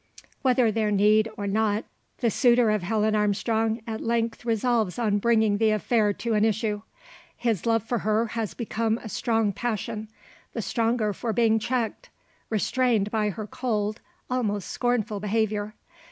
Whether there need, or not, the suitor of Helen Armstrong at length resolves on bringing the affair to an issue. His love for her has become a strong passion, the stronger for being checked restrained by her cold, almost scornful behaviour.